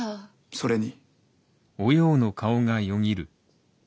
それに。